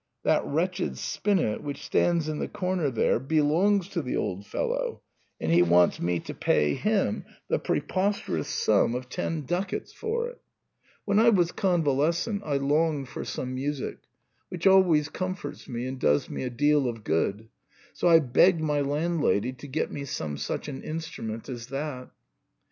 That wretched spinet, which stands in the comer there, belongs to the old fellow, and he wants me to pay him the preposterous sum of 98 SIGNOR FORMICA. ten ducats^ for it. When I was convalescent I longed for some music, which always comforts me and does me a deal of good, so I begged my landlady to get me some such an instrument as that.